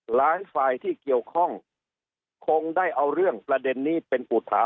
หลายฝ่ายที่เกี่ยวข้องคงได้เอาเรื่องประเด็นนี้เป็นอุทา